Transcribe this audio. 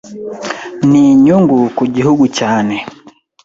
ni Inyungu ku gihugu cyane